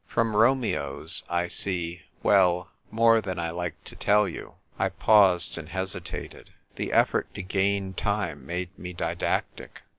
From Romeo's, I see — well, more than I like to tell you." T paused and hesitated. The effort to gain time made me didactic.